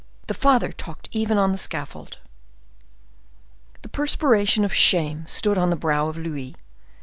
The father talked even on the scaffold." The perspiration of shame stood on the brow of Louis.